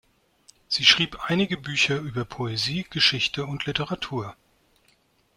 Sie schrieb einige Bücher über Poesie, Geschichte und Literatur.